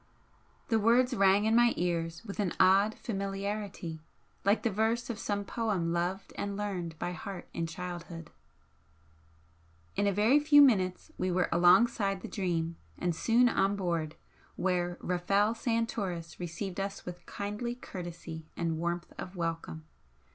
The words rang in my ears with an odd familiarity, like the verse of some poem loved and learned by heart in childhood. In a very few minutes we were alongside the 'Dream' and soon on board, where Rafel Santoris received us with kindly courtesy and warmth of welcome.